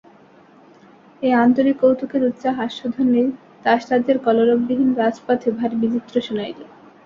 এই আন্তরিক কৌতুকের উচ্চ হাস্যধ্বনি তাসরাজ্যের কলরবহীন রাজপথে ভারি বিচিত্র শুনাইল।